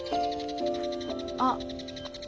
あっ！